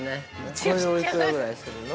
これ、お幾らぐらいするの？